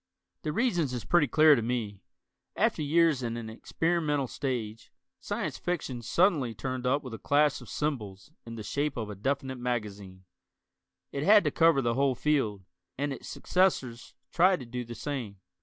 The reasons is pretty clear to me. After years in an experimental stage, Science Fiction suddenly turned up with a clash of cymbals in the shape of a definite magazine. It had to cover the whole field, and its successors tried to do the same.